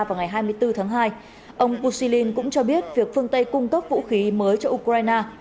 vào ngày hai mươi bốn tháng hai ông busine cũng cho biết việc phương tây cung cấp vũ khí mới cho ukraine